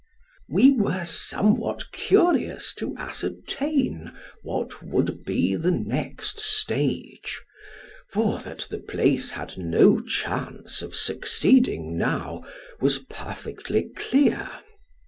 We were somewhat curious to ascertain what would be the next stage for that the place had no chance of succeeding now, was per fectly clear.